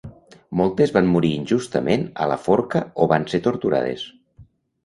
Moltes van morir injustament a la forca o van ser torturades.